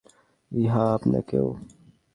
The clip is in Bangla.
ইয়াহ, আপনাকেও।